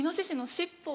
尻尾⁉